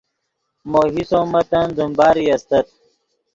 مو حصو متن دیم باری استت